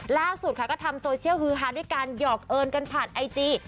ล่าสุดค่ะก็ทำโซเชียลฮือฮาด้วยการหยอกเอิญกันผ่านไอจี